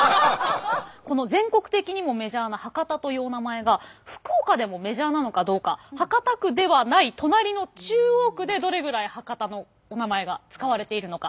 この全国的にもメジャーな博多というお名前が福岡でもメジャーなのかどうか博多区ではない隣の中央区でどれぐらい博多のお名前が使われているのか。